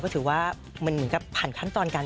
ก็ถือว่ามันเหมือนกับผ่านขั้นตอนการ